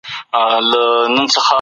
سیاست څېره غواړي.